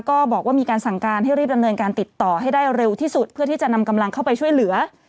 ก็บอกว่ามีการสั่งการให้รีบดำเนินการติดต่อให้ได้เร็วที่สุดเพื่อที่จะนำกำลังเข้าไปช่วยเหลือ